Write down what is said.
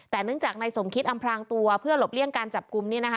แต่เนื่องจากนายสมคิดอำพลางตัวเพื่อหลบเลี่ยงการจับกลุ่มเนี่ยนะคะ